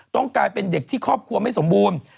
กลายเป็นเด็กที่ครอบครัวไม่สมบูรณ์